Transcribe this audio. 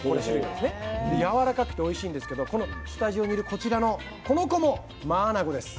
でやわらかくておいしいんですけどこのスタジオにいるこちらのこの子もマアナゴです。